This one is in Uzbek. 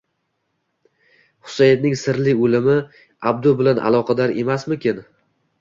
Husaynning sirli o`limi Abdu bilan aloqador emasmikin